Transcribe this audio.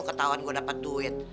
ketahuan gue dapet duit